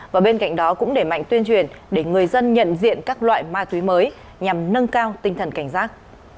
và bên cạnh đó cũng để mạnh tuyên truyền để người dân nhận diện các loại ma túy mới nhằm nâng cao tinh thần cảnh giác